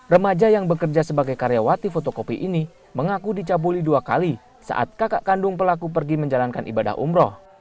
remaja yang bekerja sebagai karyawati fotokopi ini mengaku dicabuli dua kali saat kakak kandung pelaku pergi menjalankan ibadah umroh